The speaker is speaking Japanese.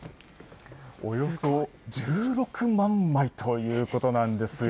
およそ１６万枚ということなんですよ。